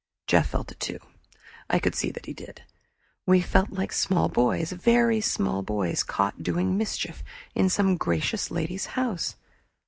Jeff felt it too; I could see he did. We felt like small boys, very small boys, caught doing mischief in some gracious lady's house.